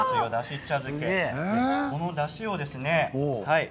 このだしですね。